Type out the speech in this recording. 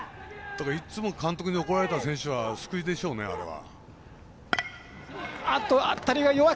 だからいつも監督に怒られた選手はスクイズでしょうね、あれは。